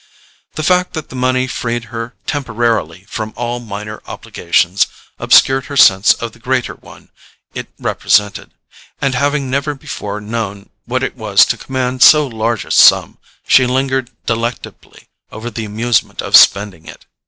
The fact that the money freed her temporarily from all minor obligations obscured her sense of the greater one it represented, and having never before known what it was to command so large a sum, she lingered delectably over the amusement of spending it.